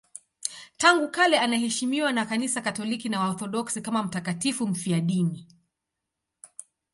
Tangu kale anaheshimiwa na Kanisa Katoliki na Waorthodoksi kama mtakatifu mfiadini.